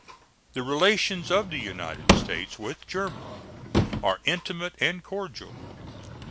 The relations of the United States with Germany are intimate and cordial.